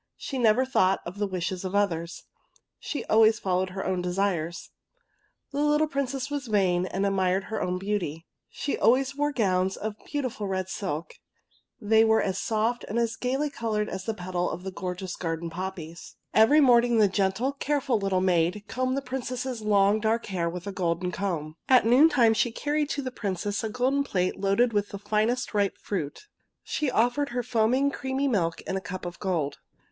She never thought of the wishes of others. She always followed her own desires. The little Princess was vain^ and admired her own beauty. She always wore gowns of beautiful red silk. They were as soft and as gaily coloured as the petals of the gorgeous garden poppies. 160 THE POPPY Every morning the gentle, careful little maid combed the Princess's long dark hair with a golden comb. At noontime she carried to the Princess a golden plate loaded with the finest ripe fruit. She offered her foaming, creamy milk in a cup of gold.